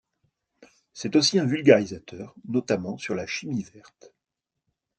C'est aussi un vulgarisateur, notamment sur la chimie verte.